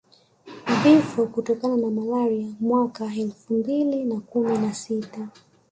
Vifo kutokana na malaria mwaka elfu mbili na kumi na sita